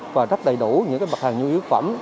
và rất đầy đủ những mặt hàng nhu yếu phẩm